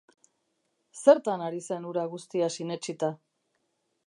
Zertan ari zen hura guztia sinetsita?